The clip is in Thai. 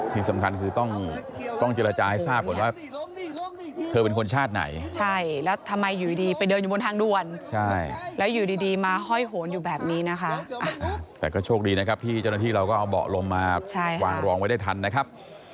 ที่เจ้าหน้าที่เราก็เอาเบาะลมมาวางรองไว้ได้ทันนะครับ